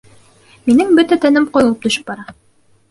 Минең бөтә тәнем ҡойолоп төшөп бара